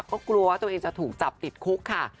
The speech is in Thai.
ก็กลัวว่าตัวเองจะถูกจับติดคุกค่ะ